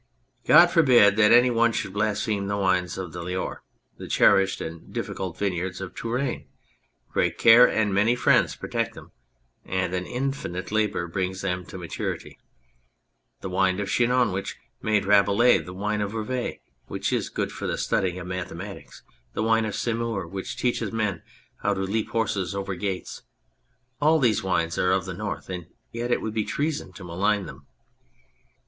God forbid that any one should blaspheme the wines of the Loire, the cherished and difficult vine yards of Touraine. Great care and many friends protect them, and an infinite labour brings them to maturity. The wine of Chinon, which made Rabelais, the wine of Vouvray, which is good for the studying of mathematics, the wine of Saumur, which teaches men how to leap horses over gates all these wines are of the north, and yet it would be treason to malign them.